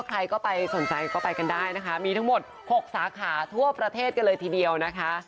ใครก็ไปสนใจก็ไปกันได้นะคะมีทั้งหมด๖สาขาทั่วประเทศกันเลยทีเดียวนะคะ